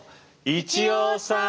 一葉さん？